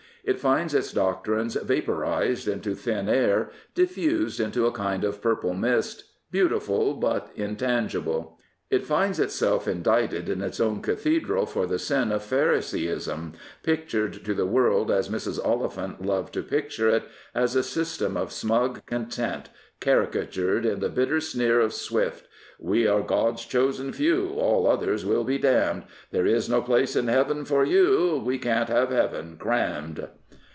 It finds its doctrines vaporised into thin air, diffused into a kind of purple mist, beautiful, but intangible. It finds itself indicted in its own cathe dral for the sin of Pharisaism, pictured to the world as Mrs. Oliphant loved to picture it — as a system of smug content, caricatured in the bitter sneer of Swift: We are God's chosen few; All others will be damned. There is no place in heaven for you: We can't have heaven crammed.